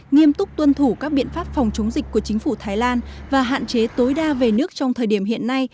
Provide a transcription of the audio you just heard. nghiêm túc tuân thủ các biện pháp phòng chống dịch của chính phủ thái lan và hạn chế tối đa về nước trong thời điểm hiện nay